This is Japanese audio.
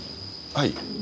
はい。